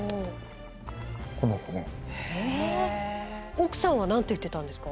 奥さんは何て言ってたんですか？